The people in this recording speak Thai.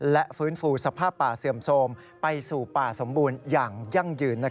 และฟื้นฟูสภาพป่าเสื่อมโทรมไปสู่ป่าสมบูรณ์อย่างยั่งยืน